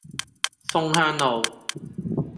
楓香路